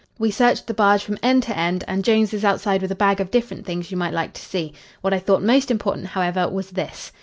We searched the barge from end to end, and Jones is outside with a bag of different things you might like to see. What I thought most important, however, was this."